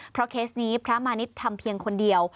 เพราะเคสนี้พระมาณิชย์ทำเพียงคนเดียว